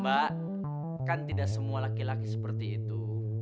mbak kan tidak semua laki laki seperti itu